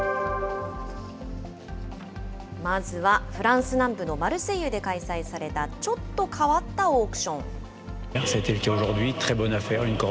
まずはフランス南部のマルセイユで開催されたちょっと変わったオークション。